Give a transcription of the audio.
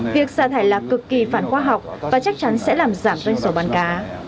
việc xả thải là cực kỳ phản khoa học và chắc chắn sẽ làm giảm doanh số bán cá